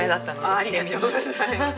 ありがとうございます。